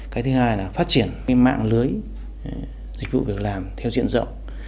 cái thứ hai là phát triển mạng lưới dịch vụ việc làm theo diện rộng